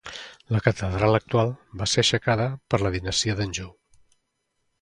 La catedral actual va ser aixecada per la dinastia d'Anjou.